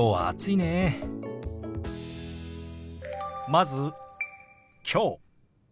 まず「きょう」。